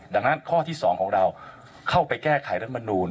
ดังนั้นข้อที่๒ของเราเข้าไปแก้ไขรัฐมนูล